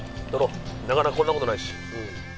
なかなかこんな事ないし。